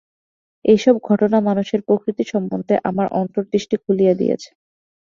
এইসব ঘটনা মানুষের প্রকৃতি সম্বন্ধে আমার অন্তর্দৃষ্টি খুলিয়া দিয়াছে।